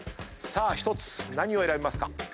さあ１つ何を選びますか？